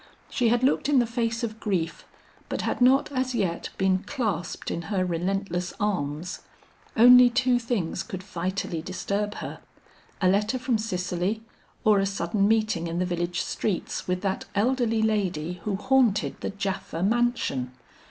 She had looked in the face of grief, but had not as yet been clasped in her relentless arms. Only two things could vitally disturb her; a letter from Cicely, or a sudden meeting in the village streets with that elderly lady who haunted the Japha mansion.